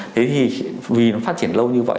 thế thì vì nó phát triển lâu như vậy